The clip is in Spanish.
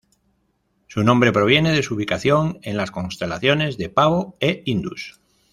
Su nombre proviene de su ubicación, en las constelaciones de Pavo e Indus.